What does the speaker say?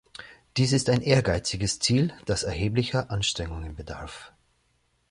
Dies ist ein ehrgeiziges Ziel, das erheblicher Anstrengungen bedarf.